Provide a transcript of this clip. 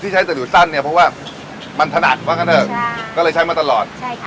อ๋อที่ใช้ตะหลิวสั้นเนี่ยเพราะว่ามันถนัดใช่ค่ะก็เลยใช้มาตลอดใช่ค่ะ